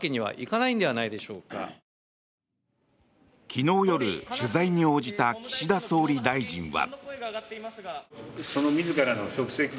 昨日夜、取材に応じた岸田総理大臣は。